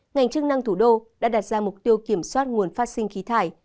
ngành chức năng thủ đô đã đặt ra mục tiêu kiểm soát nguồn phát sinh khí thải